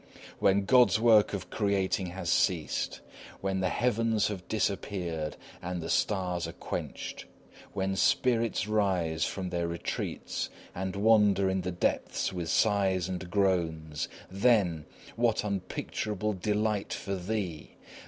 When God's work of creating has ceased; when the heavens have disappeared and the stars are quenched; when spirits rise from their retreats and wander in the depths with sighs and groans; then, what unpicturable delight for thee!